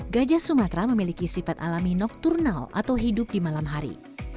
gajah sumatera memiliki sifat alami nokturnal atau hidup di malam hari